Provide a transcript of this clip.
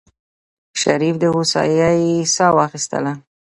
شريف د هوسايۍ سا واخيستله.